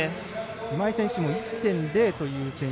今井選手も１．０という選手。